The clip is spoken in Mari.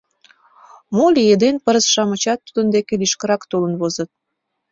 Моло лиеден пырыс-шамычат тудын деке лишкырак толын возыт.